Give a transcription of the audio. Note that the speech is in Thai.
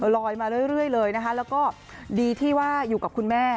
ลอยมาเรื่อยเลยนะคะแล้วก็ดีที่ว่าอยู่กับคุณแม่